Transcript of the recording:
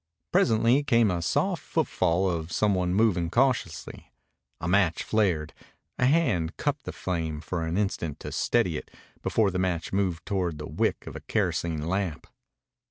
Presently came a soft footfall of some one moving cautiously. A match flared. A hand cupped the flame for an instant to steady it before the match moved toward the wick of a kerosene lamp.